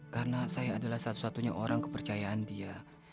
karena saya adalah satu satunya orang kepercayaan dia